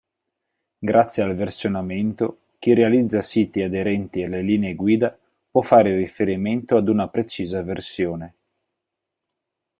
Grazie al versionamento, chi realizza siti aderenti alle linee guida può fare riferimento ad una precisa versione.